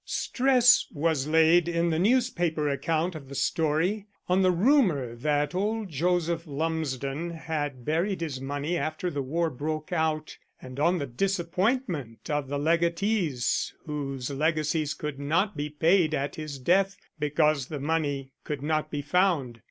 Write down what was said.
Stress was laid, in the newspaper account of the story, on the rumour that old Joseph Lumsden had buried his money after the war broke out, and on the disappointment of the legatees whose legacies could not be paid at his death because the money could not be found.